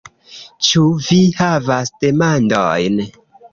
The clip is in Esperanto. Ĉu Vi havas demandojn?